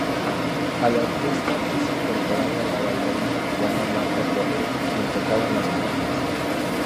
A la orquesta es incorporada la bailarina cubana Martha Correa quien tocaba las maracas.